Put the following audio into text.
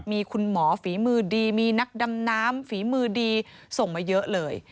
มีคุณหมอฝีมือดีมีนักดำน้ำฝีมือดีส่งมาเยอะเลย